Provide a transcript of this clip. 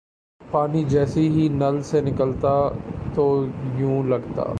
پانی جیسے ہی نل سے نکلتا تو یوں لگتا